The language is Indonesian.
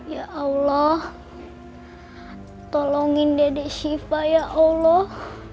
ya allah tolongin dede siva ya allah